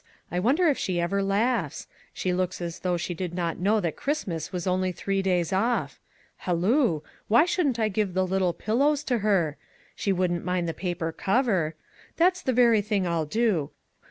I wonder if she ever laughs ? She looks as though she did not know that Christmas was only three days off. Hal loo ! Why shouldn't I give the ' Little Pillows ' to her? She wouldn't mind the paper cover. That's the very thing I'll do.